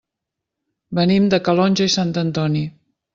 Venim de Calonge i Sant Antoni.